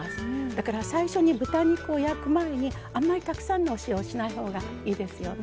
だから最初に豚肉を焼く前にあまり、たくさんのお塩をしないほうがいいですよね。